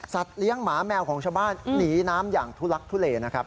เลี้ยงหมาแมวของชาวบ้านหนีน้ำอย่างทุลักทุเลนะครับ